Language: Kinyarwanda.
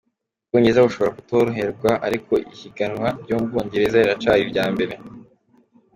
Ubwongereza bushobora kutoroherwa ariko ihiganwa ryo mu Bwongereza riracari irya mbere.